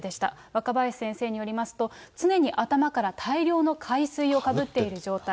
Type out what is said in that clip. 若林先生によりますと、常に頭から大量の海水をかぶっている状態。